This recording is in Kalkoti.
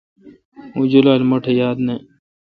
اوں جولال مہ ٹھ یاد نہ۔